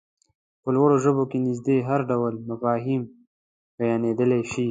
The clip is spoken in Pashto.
په لوړو ژبو کې نږدې هر ډول مفاهيم بيانېدلای شي.